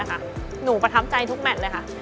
หนูประทับใจทุกแมทเลยค่ะ